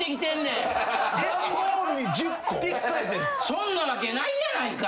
そんなわけないやないか。